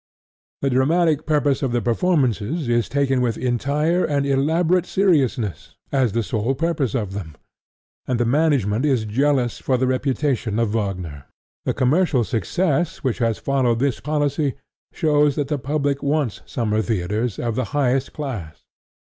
The dramatic purpose of the performances is taken with entire and elaborate seriousness as the sole purpose of them; and the management is jealous for the reputation of Wagner. The commercial success which has followed this policy shows that the public wants summer theatres of the highest class.